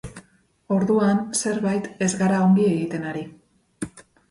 Orduan zerbait ez gara ongi egiten ari.